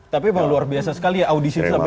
tapi luar biasa sekali ya audisi itu sampai berapa kali